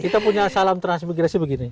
kita punya salam transmigrasi begini